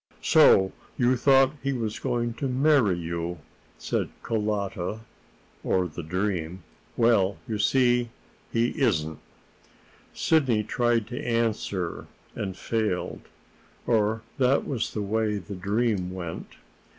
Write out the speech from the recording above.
"So you thought he was going to marry you!" said Carlotta or the dream. "Well, you see he isn't." Sidney tried to answer, and failed or that was the way the dream went.